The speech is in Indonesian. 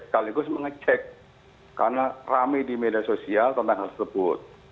sekaligus mengecek karena rame di media sosial tentang hal tersebut